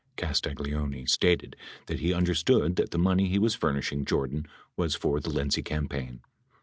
Castagleoni stated that he understood that the money he was furnishing Jordan was for the Lindsay campaign.